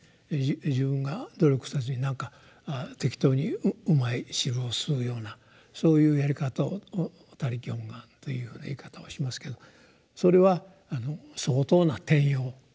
自分が努力せずになんか適当にうまい汁を吸うようなそういうやり方を「他力本願」というふうな言い方をしますけどそれは相当な転用ですね。